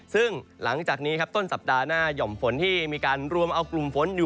ซึ่งหลังจากนี้ครับต้นสัปดาห์หน้าหย่อมฝนที่มีการรวมเอากลุ่มฝนอยู่